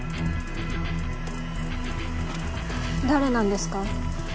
誰なんですか？